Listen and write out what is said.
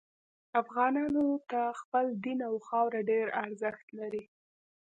افغانانو ته خپل دین او خاوره ډیر ارزښت لري